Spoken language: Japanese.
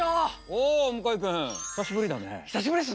おお向井君久しぶりだね。